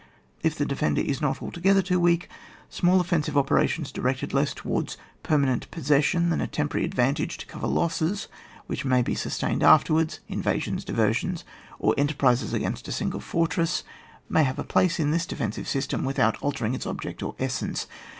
If the defender is not altogether too weak, small offensive operations directed less towards permanent possession than a temporary advantage to cover losses, which may be sustained afterwards, invasions, diversions, or enterprises against a single fortress, may have a place in this defensive system without altering its object or essence.